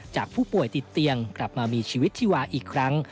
จากผู้ป่วยติดเตียงกลับมามีชีวิตชีวาอีกครั้ง